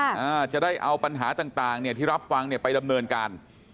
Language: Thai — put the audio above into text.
อ่าจะได้เอาปัญหาต่างต่างเนี้ยที่รับฟังเนี่ยไปดำเนินการ